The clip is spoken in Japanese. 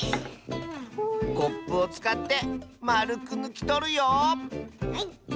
コップをつかってまるくぬきとるよはい。